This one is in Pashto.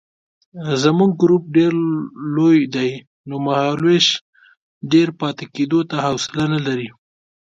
زموږ ګروپ ډېر لوی دی نو مهالوېش ډېر پاتې کېدو ته حوصله نه لري.